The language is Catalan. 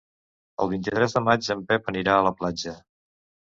El vint-i-tres de maig en Pep anirà a la platja.